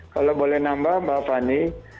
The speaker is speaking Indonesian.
kalau boleh nambah mbak fani